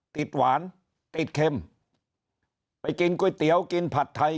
หวานติดเค็มไปกินก๋วยเตี๋ยวกินผัดไทย